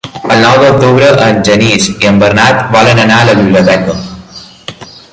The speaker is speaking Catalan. El nou d'octubre en Genís i en Bernat volen anar a la biblioteca.